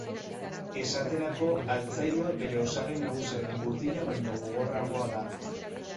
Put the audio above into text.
Esaterako, altzairua bere osagai nagusia den burdina baino gogorragoa da.